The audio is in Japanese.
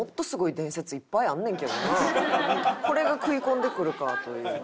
これが食い込んでくるかという。